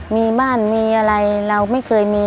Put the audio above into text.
มีบ้านมีอะไรเราไม่เคยมี